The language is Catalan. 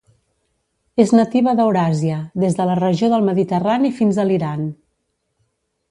És nativa d'Euràsia, des de la regió del Mediterrani fins a l'Iran.